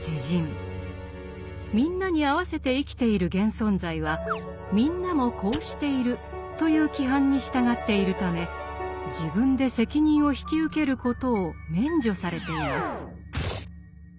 「みんな」に合わせて生きている現存在は「みんなもこうしている」という規範に従っているため自分で責任を引き受けることを免除されています。